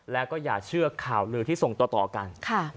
แล้วก็อย่าเชื่อข่าวลือที่ส่งต่อกัน